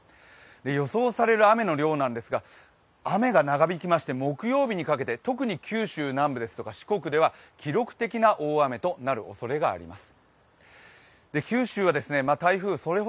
予想される雨の量なんですが雨が長引きまして木曜日にかけて、特に九州南部や四国では記録的な大雨となるおそれがあります。